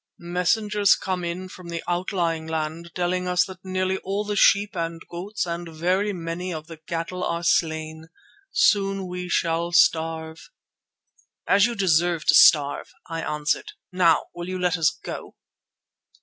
Messengers come in from the outlying land telling us that nearly all the sheep and goats and very many of the cattle are slain. Soon we shall starve." "As you deserve to starve," I answered. "Now—will you let us go?"